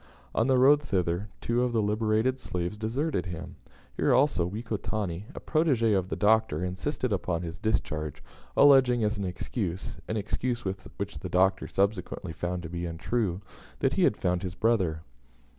On the road thither, two of the liberated slaves deserted him. Here also, Wekotani, a protege of the Doctor, insisted upon his discharge, alleging as an excuse an excuse which the Doctor subsequently found to be untrue that he had found his brother.